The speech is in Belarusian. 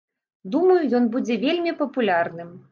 Думаю, ён будзе вельмі папулярным.